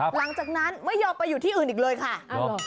หลังจากนั้นไม่ยอมไปอยู่ที่อื่นอีกเลยค่ะ